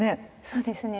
そうですね。